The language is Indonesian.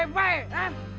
dengar lo ya